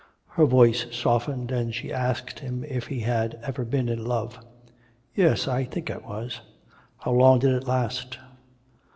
Her voice softened, and she asked him if he had ever been in love? 'Yes, I think I was.' 'How long did it last?'